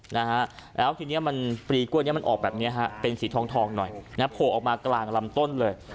แล้วทีนี้ปลีกล้วยนี้มันออกแบบนี้เป็นสีทองหน่อยโผล่ออกมากลางลำต้นเลย